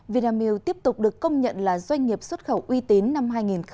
vinamilk tiếp tục được công nhận là doanh nghiệp xuất khẩu uy tín năm hai nghìn một mươi tám